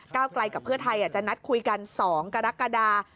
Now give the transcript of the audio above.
ไกลกับเพื่อไทยจะนัดคุยกัน๒กรกฎา